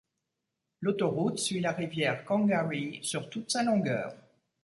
L'autoroute suit la rivière Congaree sur toute sa longueur.